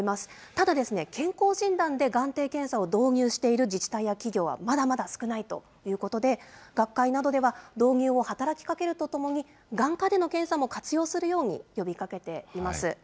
ただですね、健康診断で眼底検査を導入している自治体や企業はまだまだ少ないということで、学会などでは導入を働きかけるとともに眼科での検査も活用するように呼びかけています。